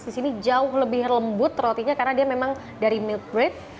di sini jauh lebih lembut rotinya karena dia memang dari milk bread